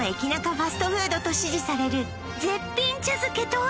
ファストフードと支持される絶品茶漬けとは？